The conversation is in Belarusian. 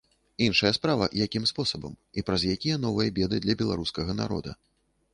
Іншая справа, якім спосабам і праз якія новыя беды для беларускага народа.